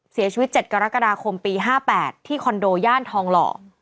เสียชีวิต๗กรกฎาคมปี๕๘ที่คอนโดย่านทองหล่อ